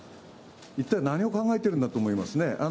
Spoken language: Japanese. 一体何を考えているんだと思いますね。